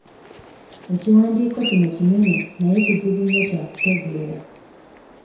Ekiwandiiko kino kinene naye kizibu nnyo kya kutegeera.